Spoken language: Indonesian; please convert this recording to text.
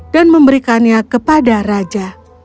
dan memberikannya kepada raja